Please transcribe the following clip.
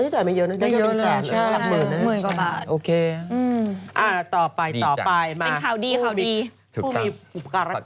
ค่ะไม่เยอะเลยเหรอไม่เยอะเลยเหรอสามหมื่นเหรอใช่สามหมื่นกว่าบาท